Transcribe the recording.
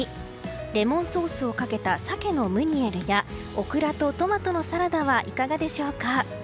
レモンソースをかけた鮭のムニエルやオクラとトマトのサラダはいかがでしょうか？